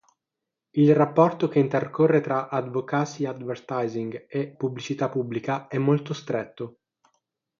Il rapporto che intercorre tra advocacy advertising e pubblicità pubblica è molto stretto.